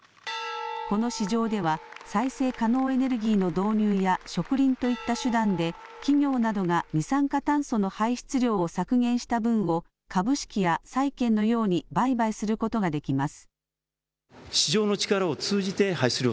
この市場では再生可能エネルギーの導入や植林といった手段で企業などが二酸化炭素の排出量を削減した分を株式や債券のように売買することができます。